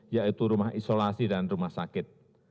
yaitu rumah isolasi dan rumah sakit